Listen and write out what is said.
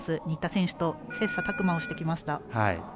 新田選手と切さたく磨をしてきました。